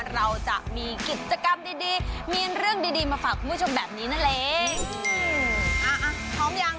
เราจะมีกิจกรรมดีดีมีเรื่องดีดีมาฝากคุณผู้ชมแบบนี้นั่นเอง